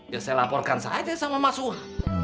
ya saya laporkan saja sama mas suha